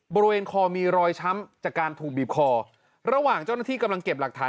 บริเวณคอมีรอยช้ำจากการถูกบีบคอระหว่างเจ้าหน้าที่กำลังเก็บหลักฐาน